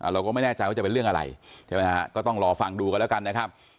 เราก็ไม่แน่ใจว่าจะเป็นเรื่องอะไรใช่ไหมฮะก็ต้องรอฟังดูกันแล้วกันนะครับ